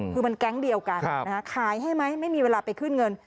คือมันแก๊งเดียวกันขายให้ไหมไม่มีเวลาไปขึ้นเงิน